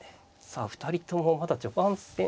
さあ２人ともまだ序盤戦。